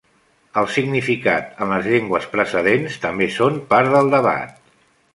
El significat en les llengües precedents també són part del debat.